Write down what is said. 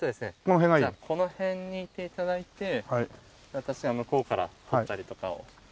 じゃあこの辺にいて頂いて私が向こうから撮ったりとかを。